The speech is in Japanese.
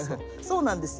そうなんですよ。